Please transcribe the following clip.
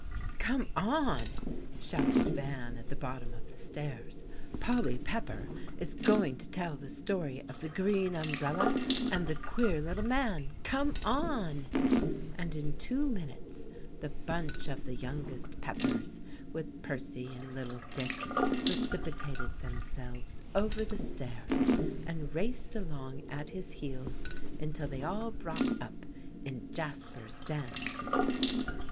"Come on," shouted Van at the bottom of the stairs, "Polly Pepper is going to tell the story of 'The Green Umbrella and the Queer Little Man.' Come on!" and in two minutes the bunch of the youngest Peppers, with Percy and little Dick, precipitated themselves over the stairs, and raced along at his heels until they all brought up in Jasper's den.